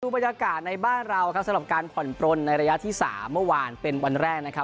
บรรยากาศในบ้านเราครับสำหรับการผ่อนปลนในระยะที่๓เมื่อวานเป็นวันแรกนะครับ